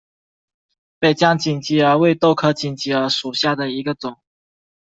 北疆锦鸡儿为豆科锦鸡儿属下的一个种。